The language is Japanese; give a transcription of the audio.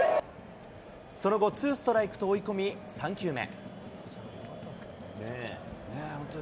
その後、ツーストライクと追い込み、３球目。